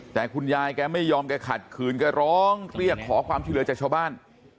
แต่คุณยายแกไม่ยอมแกขัดขืนแกร้องเรียกขอความช่วยเหลือจากชาวบ้าน